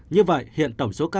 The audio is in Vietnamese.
như vậy hiện tổng số ca